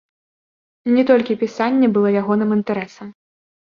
Не толькі пісанне была ягоным інтарэсам.